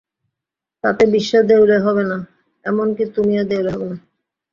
তাতে বিশ্ব দেউলে হবে না, এমন-কি তুমিও দেউলে হবে না।